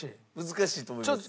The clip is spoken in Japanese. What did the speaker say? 難しいと思います。